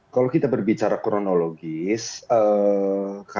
kalau kita berbicara kronologis kami juga